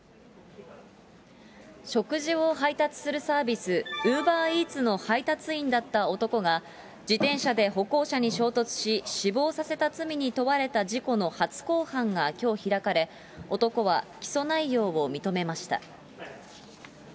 食事を配達するサービス、ウーバーイーツの配達員だった男が、自転車で歩行者に衝突し、死亡させた罪に問われた事故の初公判がきょう開かれ、男は起訴内容を認めました。